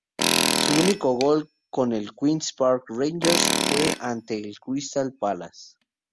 Su único gol con el Queens Park Rangers fue ante el Crystal Palace.